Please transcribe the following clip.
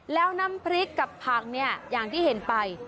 แล้วน้ำพริกกับผักเนี่ยอย่างที่เห็นไป